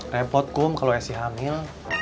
repot kom kalau esi hamil